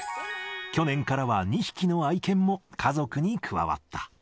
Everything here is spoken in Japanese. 去年からは２匹の愛犬も家族に加わった。